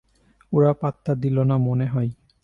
ওরা পাত্তা দিল না মনে হয়।